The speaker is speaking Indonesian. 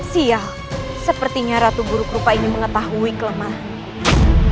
sial sepertinya ratu buruk rupa ini mengetahui kelemahanmu